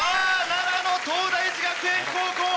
奈良の東大寺学園高校